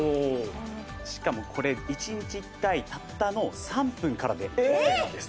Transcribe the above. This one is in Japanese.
しかもこれ１日１回たったの３分からでオッケーなんです。